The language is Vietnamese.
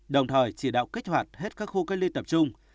đồng thời chỉ đạo kích hoạt hết các khu cách ly tập trung